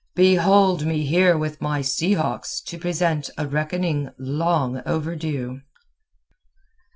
"Behold me here with my sea hawks to present a reckoning long overdue."